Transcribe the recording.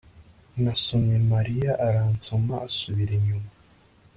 Nasomye Mariya aransoma asubira inyuma